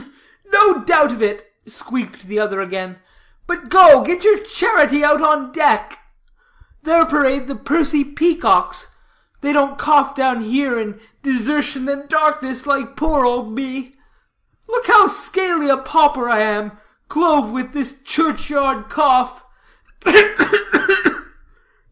"No doubt of it," squeaked the other again, "but go, get your charity out on deck. There parade the pursy peacocks; they don't cough down here in desertion and darkness, like poor old me. Look how scaly a pauper I am, clove with this churchyard cough. Ugh, ugh, ugh!"